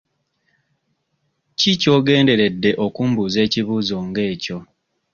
Ki ky'ogenderedde okumbuuza ekibuuzo nga ekyo?